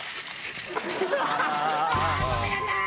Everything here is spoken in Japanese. ごめんなさい！